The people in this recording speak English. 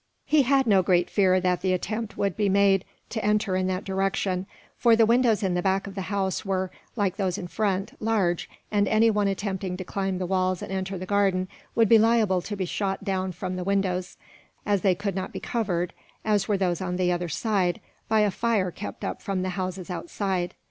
He had no great fear that the attempt would be made to enter in that direction, for the windows in the back of the house were, like those in front, large; and anyone attempting to climb the walls and enter the garden would be liable to be shot down from the windows, as they could not be covered, as were those on the other side, by a fire kept up from the houses outside.